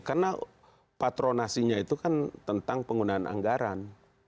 karena patronasinya itu kan tentang penggunaan anggaran